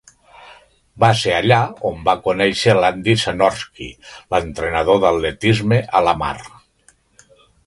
Va ser allà on va conèixer l"Andy Senorski, l"entrenador d"atletisme a Lamar.